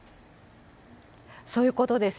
そういうことです。